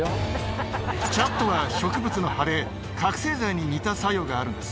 チャットは植物の葉で、覚醒剤に似た作用があるんです。